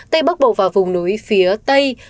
tây bắc bộ vào vùng núi phía tây